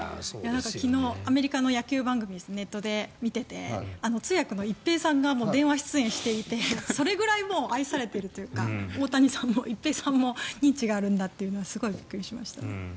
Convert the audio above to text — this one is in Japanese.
昨日アメリカの野球番組をネットで見ていて通訳の一平さんが電話出演していてそれぐらい愛されているというか大谷さんも一平さんも認知があるんだというのはすごいびっくりしましたね。